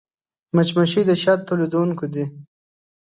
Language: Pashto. مچمچۍ د شاتو تولیدوونکې ده